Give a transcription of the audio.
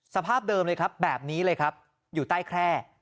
สภาพเดิมเลยครับแบบนี้เลยครับอยู่ใต้แคร่